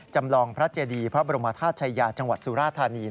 จำลองพระเจดีพระบรมธาตุชายาจังหวัดสุราธานี